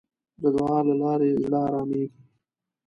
د دعا له لارې زړه آرامېږي.